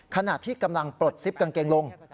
ขณะที่กำลังปลดซิปกางเกงลง